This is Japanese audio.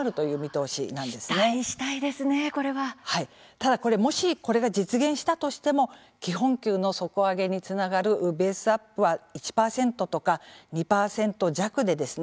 ただこれもしこれが実現したとしても基本給の底上げにつながるベースアップは１％とか２％弱でですね